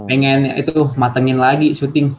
pengen itu matengin lagi syuting